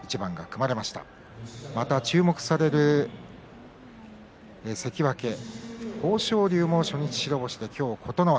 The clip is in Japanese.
また注目される関脇豊昇龍も初日白星で今日は琴ノ若。